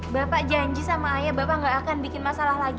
bapak janji sama ayah bapak nggak akan bikin masalah lagi